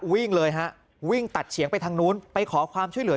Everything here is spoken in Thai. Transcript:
วิ่งเลยฮะวิ่งตัดเฉียงไปทางนู้นไปขอความช่วยเหลือ